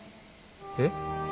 えっ？